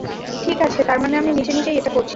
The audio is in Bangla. ঠিক আছে, তারমানে আমি নিজে নিজেই এটা করছি।